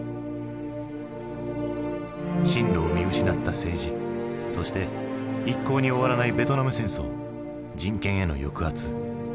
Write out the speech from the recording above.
針路を見失った政治そして一向に終わらないベトナム戦争人権への抑圧。